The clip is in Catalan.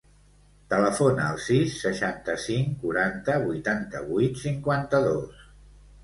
Telefona al sis, seixanta-cinc, quaranta, vuitanta-vuit, cinquanta-dos.